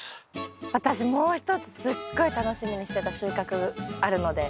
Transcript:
私もう一つすっごい楽しみにしてた収穫あるので。